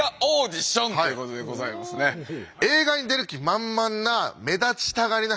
映画に出る気満々な目立ちたがりな